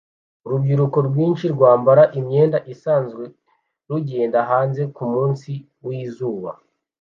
Urubyiruko rwinshi rwambaye imyenda isanzwe rugenda hanze kumunsi wizuba